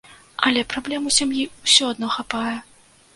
Але праблем у сям'і ўсё адно хапае.